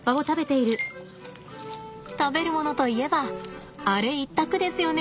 食べるものといえばアレ一択ですよね。